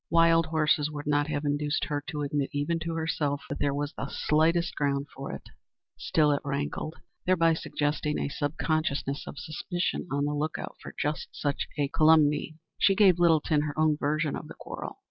Wild horses would not have induced her to admit even to herself that there was the slightest ground for it; still it rankled, thereby suggesting a sub consciousness of suspicion on the look out for just such a calumny. She gave Littleton her own version of the quarrel.